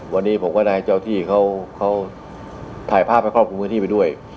วันนี้ผมก็ได้เจ้าที่ที่ถ่ายภาพให้ขอบคุมบนที่ไปด้วย